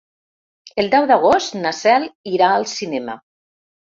El deu d'agost na Cel irà al cinema.